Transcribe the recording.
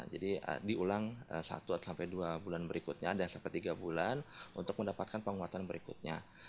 jadi diulang satu dua bulan berikutnya ada sampai tiga bulan untuk mendapatkan penguatan berikutnya